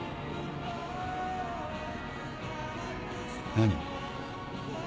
何？